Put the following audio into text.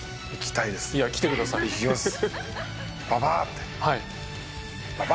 行きます。